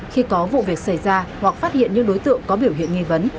khi có vụ việc xảy ra hoặc phát hiện những đối tượng có biểu hiện nghi vấn